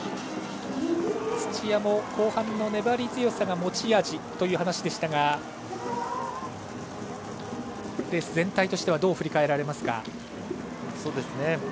土屋も後半の粘り強さが持ち味という話でしたがレース全体としてはどう振り返られますか？